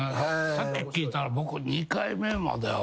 さっき聞いたら僕２回目までは覚えてた。